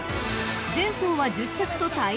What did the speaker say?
［前走は１０着と大敗］